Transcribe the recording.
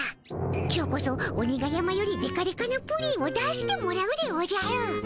今日こそ鬼が山よりでかでかなプリンを出してもらうでおじゃる。